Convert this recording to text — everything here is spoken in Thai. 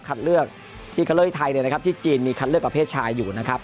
เลือกที่คัดเลือกที่ไทยที่จีนมีคัดเลือกประเภทชายอยู่นะครับ